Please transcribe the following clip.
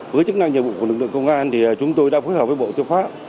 với chức năng nhiệm vụ của lực lượng công an thì chúng tôi đã phối hợp với bộ tư pháp